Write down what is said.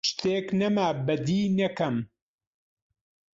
شتێک نەما بەدیی نەکەم: